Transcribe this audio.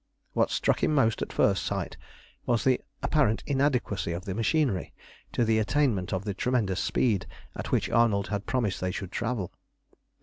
What struck him most at first sight was the apparent inadequacy of the machinery to the attainment of the tremendous speed at which Arnold had promised they should travel.